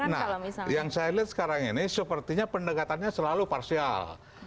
nah yang saya lihat sekarang ini sepertinya pendekatannya selalu parsial